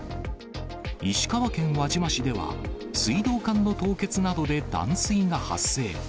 石川県輪島市では、水道管の凍結などで断水が発生。